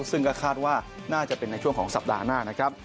ซึ่งก็คาดว่าน่าจะเป็นในช่วงของสัปดาห์หน้านะครับ